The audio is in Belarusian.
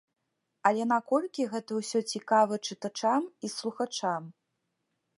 Але наколькі гэта ўсё цікава чытачам і слухачам?